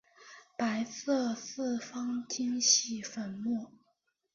白色四方晶系粉末。